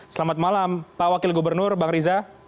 selamat malam pak wakil gubernur bang riza